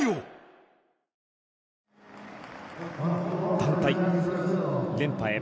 団体、連覇へ。